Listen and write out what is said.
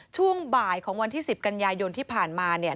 ช่วงบ่ายของวันที่๑๐กันยายนที่ผ่านมาเนี่ย